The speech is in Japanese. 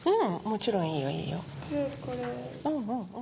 もちろんいいよいいよ。